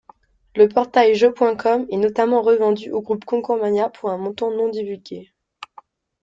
Le portail Jeux.com est notamment revendu au groupe ConcoursMania pour un montant non divulgué.